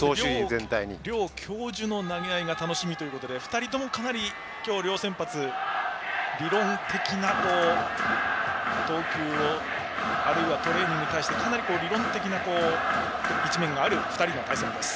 両教授の投げ合いが楽しみということで２人とも、今日の先発は理論的な投球をあるいはトレーニングに対してかなり理論的な一面がある２人の対戦です。